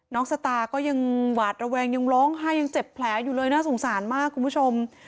สตาก็ยังหวาดระแวงยังร้องไห้ยังเจ็บแผลอยู่เลยน่าสงสารมากคุณผู้ชม